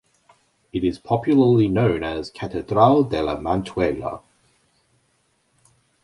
It is popularly known as Catedral de La Manchuela.